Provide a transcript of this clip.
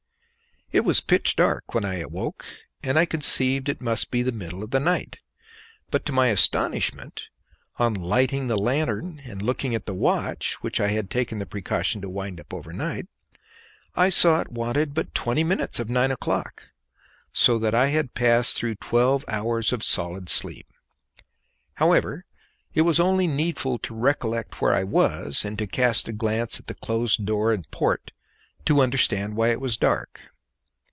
It was pitch dark when I awoke, and I conceived it must be the middle of the night, but to my astonishment, on lighting the lanthorn and looking at the watch, which I had taken the precaution to wind up overnight, I saw it wanted but twenty minutes of nine o'clock, so that I had passed through twelve hours of solid sleep. However, it was only needful to recollect where I was, and to cast a glance at the closed door and port, to understand why it was dark.